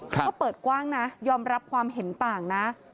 ก็เปิดกว้างนะยอมรับความเห็นต่างนะ